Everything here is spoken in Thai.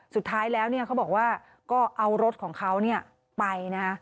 สุดท้ายแล้วเขาบอกว่าก็เอารถของเขาไปนะ